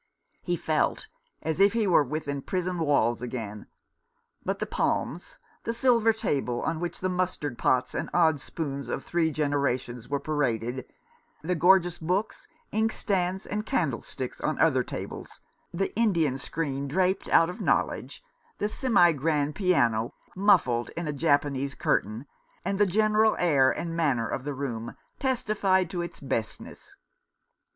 He felt as if he were within prison walls again ; but the palms, the silver table, on which the mustard pots and odd spoons of three generations were paraded, the gorgeous books, inkstands, and candlesticks on other tables, the Indian screen draped out of knowledge, the semi grand piano muffled in a Japanese curtain, and the general air and manner of the room, testified to its bestness.